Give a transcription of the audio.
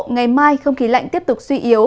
ngày mai không khí lạnh tiếp tục suy yếu